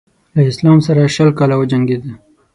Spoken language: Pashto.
له اسلام سره شل کاله وجنګېد.